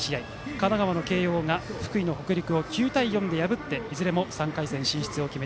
神奈川の慶応が福井の北陸を９対４で破っていずれも３回戦進出です。